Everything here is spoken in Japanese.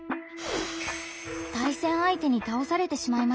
対戦相手に倒されてしまいました。